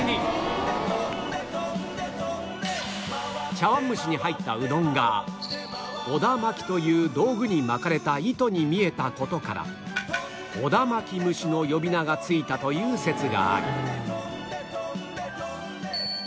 茶碗蒸しに入ったうどんがおだまきという道具に巻かれた糸に見えた事から小田巻き蒸しの呼び名がついたという説がある